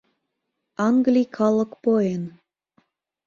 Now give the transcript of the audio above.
«Англий калык поен.